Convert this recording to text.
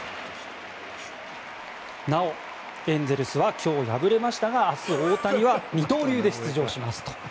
なお、エンゼルスは今日敗れましたが明日、大谷は二刀流で出場しますと。